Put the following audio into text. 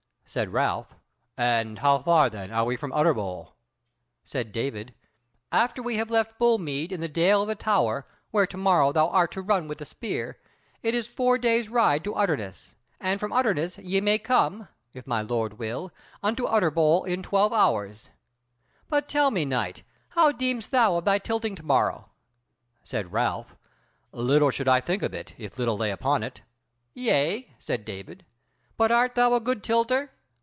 Said Ralph: "And how far then are we from Utterbol?" Said David: "After we have left Bull mead in the Dale of the Tower, where to morrow thou art to run with the spear, it is four days' ride to Utterness; and from Utterness ye may come (if my lord will) unto Utterbol in twelve hours. But tell me, knight, how deemest thou of thy tilting to morrow?" Said Ralph: "Little should I think of it, if little lay upon it." "Yea," said David, "but art thou a good tilter?"